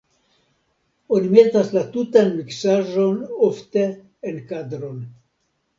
Oni metas la tutan miksaĵon ofte en kadron.